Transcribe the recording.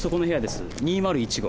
２０１号。